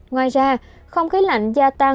ngoài ra không khí lạnh giai đoạn